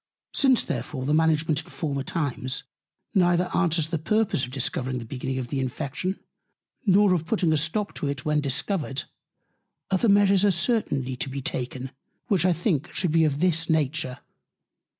Since therefore the Management in former Times neither answers the Purpose of discovering the Beginning of the Infection, nor of putting a stop to it when Discovered, other Measures are certainly to be taken; which I think should be of this Nature.